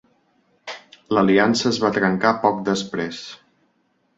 L'aliança es va trencar poc després.